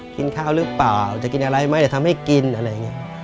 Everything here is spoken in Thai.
กินข้าวหรือเปล่าจะกินอะไรไหมจะทำให้กินอะไรอย่างนี้